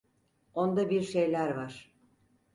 Onda bir şeyler var.